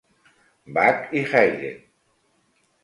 Bach i Haydn.